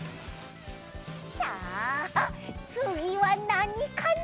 さあつぎはなにかな？